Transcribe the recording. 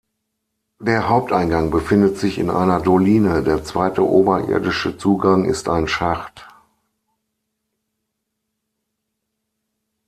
Der Haupteingang befindet sich in einer Doline, der zweite oberirdische Zugang ist ein Schacht.